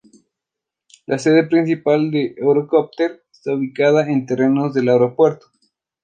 La sede principal de Eurocopter está ubicada en terrenos del aeropuerto.